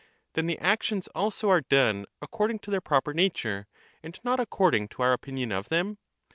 Then the actions also are done according to their cess. proper nature, and not according to our opinion of them?